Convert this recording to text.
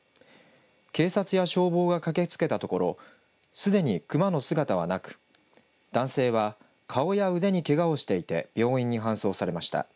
警察や消防が駆けつけたところすでに熊の姿はなく男性は顔や腕にけがをしていて病院に搬送されました。